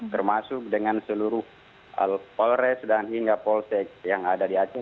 termasuk dengan seluruh polres dan hingga polsek yang ada di aceh